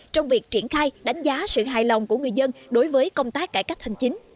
trong việc triển khai đánh giá sự hài lòng của người dân đối với công tác cải cách hành chính